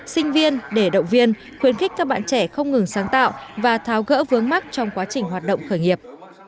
sinh viên để động viên khuyến khích các bạn trẻ không ngừng sáng tạo và tháo gỡ vướng mắt trong quá trình hoạt động khởi nghiệp